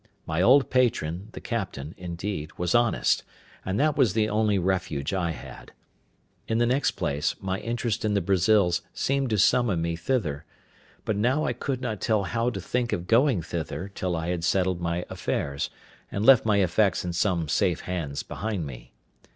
My old patron, the captain, indeed, was honest, and that was the only refuge I had. In the next place, my interest in the Brazils seemed to summon me thither; but now I could not tell how to think of going thither till I had settled my affairs, and left my effects in some safe hands behind me.